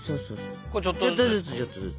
これちょっとずつですか？